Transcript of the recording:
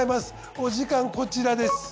お時間こちらです。